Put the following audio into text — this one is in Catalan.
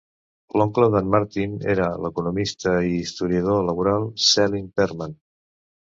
L'oncle d'en Martin era l'economista i historiador laboral Selig Perlman.